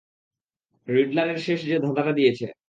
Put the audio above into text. রিডলারের শেষ যে ধাঁধাটা দিয়েছে।